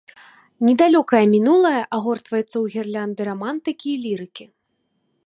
Недалёкае мінулае агортваецца ў гірлянды рамантыкі і лірыкі.